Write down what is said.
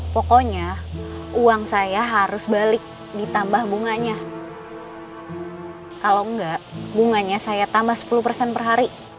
pokoknya uang saya harus balik ditambah bunganya